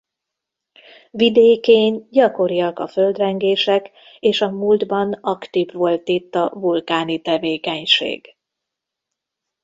Vidékén gyakoriak a földrengések és a múltban aktív volt itt a vulkáni tevékenység.